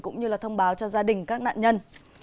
cũng như thông báo cho gia đình các nạn nhân